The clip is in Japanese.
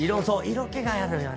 色気があるよね